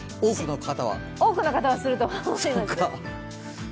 多くの方はすると思います。